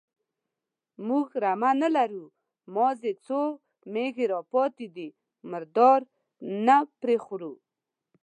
_موږ رمه نه لرو، مازې څو مېږې راپاتې دي، مردار نه پرې خورو.